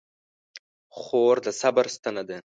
خور د صبر ستنه ده.